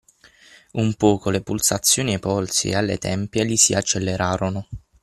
Un poco le pulsazioni ai polsi e alle tempie gli si accelerarono.